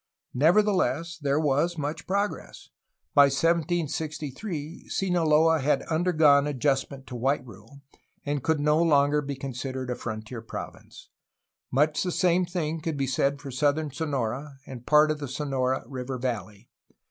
Nevertheless, there was much progress. By 1763 Sinaloa had undergone adjustment to white rule, and could no longer be considered a frontier province. Much the same thing could be said for southern Sonora and part of the Sonora River valley.